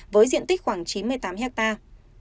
với diện tích khoảng chín mươi tám hectare